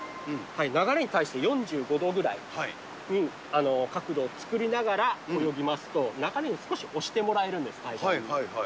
流れに対して４５度ぐらい、角度を作りながら泳ぎますと、流れに少し押してもらえるんです、最初に。